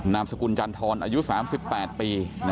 นามสกุลจันทรอายุ๓๘ปี